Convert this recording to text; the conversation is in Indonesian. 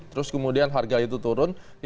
terus kemudian harga itu turun